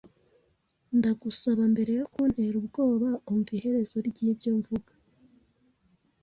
Ndagusaba, mbere yo kuntera ubwoba umva iherezo ryibyo mvuga.